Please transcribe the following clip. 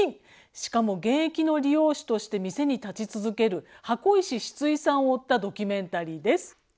しかも現役の理容師として店に立ち続ける箱石シツイさんを追ったドキュメンタリーです。